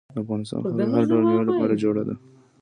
د افغانستان خاوره د هر ډول میوې لپاره جوړه ده.